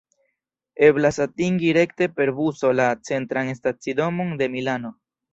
Eblas atingi rekte per buso la Centran Stacidomon de Milano.